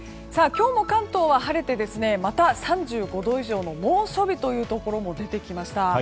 今日も関東は晴れてまた３５度以上の猛暑日というところも出てきました。